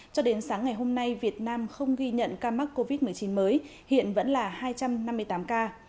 cho đến sáng ngày hôm nay việt nam không ghi nhận ca mắc covid một mươi chín mới hiện vẫn là hai trăm năm mươi tám ca